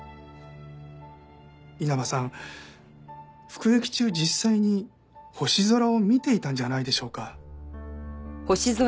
服役中実際に星空を見ていたんじゃないでしょうか。